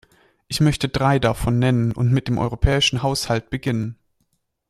Ich möchte drei davon nennen und mit dem europäischen Haushalt beginnen.